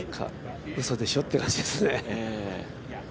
うそでしょ？って感じですね